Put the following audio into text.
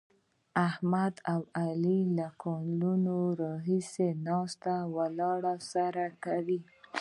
احمد او علي له کلونو راهسې ناسته ولاړه سره کوي.